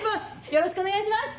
よろしくお願いします。